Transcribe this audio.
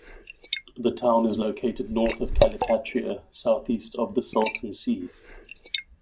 The town is located north of Calipatria, southeast of the Salton Sea.